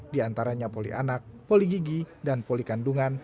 diantaranya poli anak poli gigi dan poli kandungan